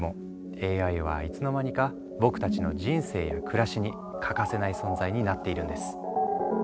ＡＩはいつの間にか僕たちの人生や暮らしに欠かせない存在になっているんです。